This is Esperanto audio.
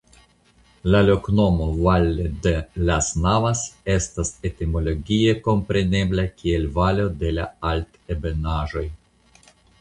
La loknomo "Valle de las Navas" estas etimologie komprenebla kiel "Valo de la Altebenaĵoj".